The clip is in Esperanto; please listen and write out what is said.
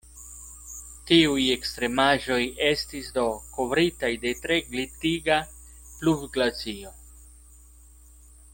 Tiuj ekstremaĵoj estis do kovritaj de tre glitiga pluvglacio.